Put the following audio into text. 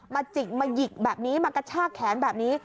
จิกมาหยิกแบบนี้มากระชากแขนแบบนี้